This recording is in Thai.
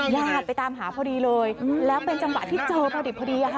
ญาติไปตามหาพอดีเลยแล้วเป็นจังหวะที่เจอพอดิบพอดี